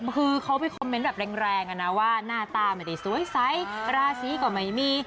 คือเขาไปคอมเมนต์แบบแรงนะว่าหน้าตาไม่ได้สวยใสราศีก็ไม่มี